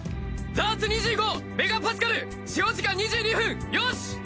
残圧２５メガパスカル使用時間２２分ヨシッ！